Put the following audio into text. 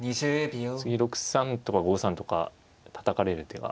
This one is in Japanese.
次６三とか５三とかたたかれる手が。